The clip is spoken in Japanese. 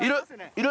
いる！